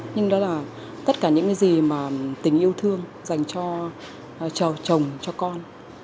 nhưng đó là tất cả những cái gì mà tình yêu thương dành cho chồng cho con